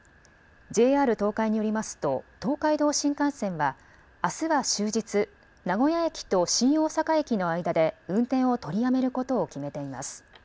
ＪＲ東海によりますと東海道新幹線はあすは終日名古屋駅と新大阪駅の間で運転を取りやめることを決めています。